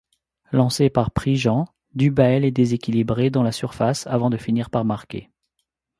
Lancé par Prigent, Dubaële est déséquilibré dans la surface avant de finir par marquer.